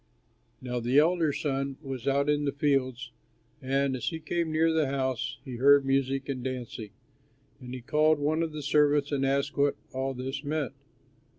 "Now the elder son was out in the fields, and as he came near the house he heard music and dancing. And he called one of the servants and asked what all this meant.